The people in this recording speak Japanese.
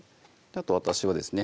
あと私はですね